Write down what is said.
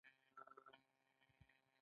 دوی غواړي چې یوه برخه یې په لاس ورشي